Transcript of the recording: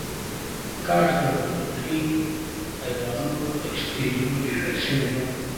کاش د حقوقي ایوانونو پر سټیجونو لیکل شوې وای.